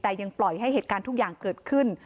แต่ยังปล่อยให้เหตุการณ์ทุกอย่างเกิดขึ้น